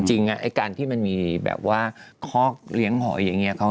จริงไอ้การมีข้อกเลี้ยงหอยอย่างนี้อะ